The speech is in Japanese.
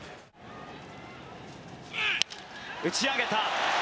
打ち上げた。